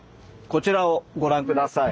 こちらをご覧下さい。